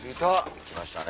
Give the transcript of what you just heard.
着きましたね。